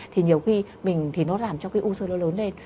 thì nhiều khi mình thì nó làm cho cái u sơ lớn lên